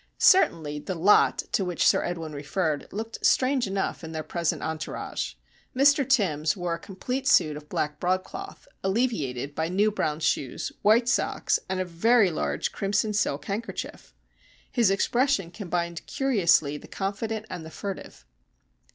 Certainly, the "lot" to which Sir Edwin referred looked strange enough in their present entourage. Mr Timbs wore a complete suit of black broadcloth, alleviated by new brown shoes, white socks, and a very large crimson silk handkerchief. His expression combined curiously the confident and the furtive.